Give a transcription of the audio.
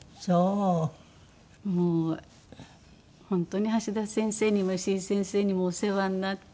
もう本当に橋田先生にも石井先生にもお世話になって。